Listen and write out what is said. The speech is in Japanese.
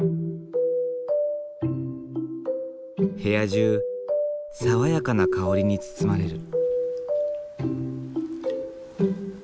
部屋中爽やかな香りに包まれる。